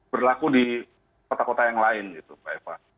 berlaku di kota kota yang lain gitu mbak eva